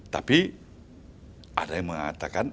tapi ada yang mengatakan